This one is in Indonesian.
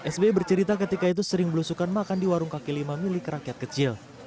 sbi bercerita ketika itu sering belusukan makan di warung kaki lima milik rakyat kecil